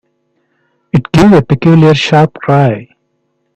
It gave a peculiarly sharp cry.